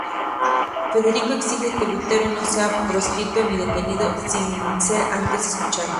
Federico exige que Lutero no sea proscrito ni detenido sin ser antes escuchado.